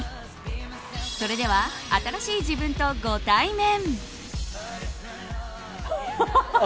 それでは新しい自分とご対面。